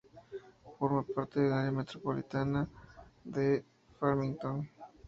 Forma parte del área metropolitana de Farmington.